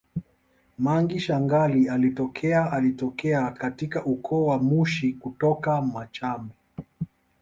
Mangi shangali alitokea alitokea katika ukoo wa Mushi kutoka Machame